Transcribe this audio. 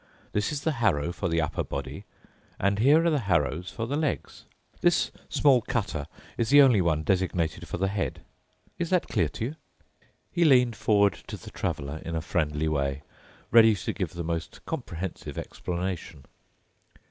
This is the harrow for the upper body, and here are the harrows for the legs. This small cutter is the only one designated for the head. Is that clear to you?" He leaned forward to the Traveler in a friendly way, ready to give the most comprehensive explanation.